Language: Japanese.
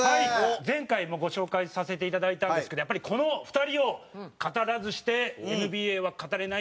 前回もご紹介させていただいたんですけどやっぱりこの２人を語らずしてＮＢＡは語れないんじゃないか。